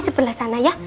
sebelah sana ya